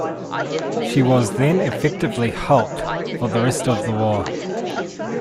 She was then effectively hulked for the rest of the war.